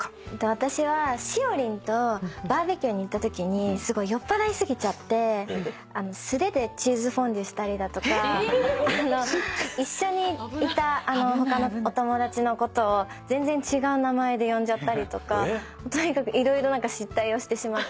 私はしおりんとバーベキューに行ったときにすごい酔っぱらい過ぎちゃって素手でチーズフォンデュしたりだとか一緒にいた他のお友達のことを全然違う名前で呼んじゃったりとかとにかく色々何か失態をしてしまって。